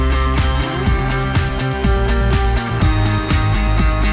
ขอบคุณทุกคนครับ